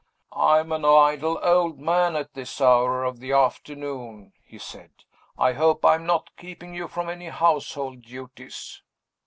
"I am an idle old man at this hour of the afternoon," he said. "I hope I am not keeping you from any household duties?"